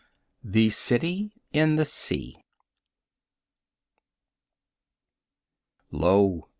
THE CITY IN THE SEA Lo!